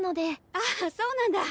あっそうなんだ。